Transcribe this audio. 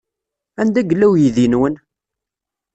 Anda yella uydi-nwen?